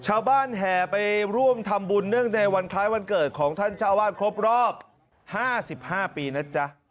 แห่ไปร่วมทำบุญเนื่องในวันคล้ายวันเกิดของท่านเจ้าวาดครบรอบ๕๕ปีนะจ๊ะ